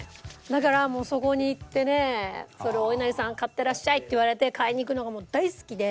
だからもうそこに行ってね「おいなりさん買ってらっしゃい」って言われて買いに行くのがもう大好きで。